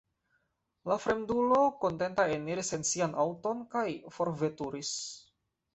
La fremdulo, kontenta, eniris en sian aŭton kaj forveturis.